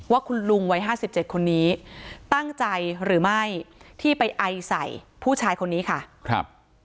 ว่าคุณลุงวัยห้าสิบเจ็ดคนนี้ตั้งใจหรือไม่ที่ไปไอใส่ผู้ชายคนนี้ค่ะครับ